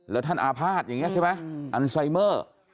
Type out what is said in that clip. แล้วท่านอาภาษณ์อย่างนี้ใช่ไหมอันไซเมอร์